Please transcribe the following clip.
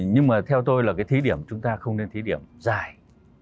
nhưng mà theo tôi là cái thí điểm chúng ta không nên thí điểm dài